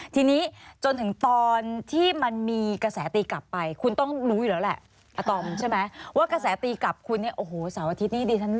ทีนี้จนถึงตอนที่มันมีกระแสตีกลับไปคุณต้องรู้อยู่แล้วแหละ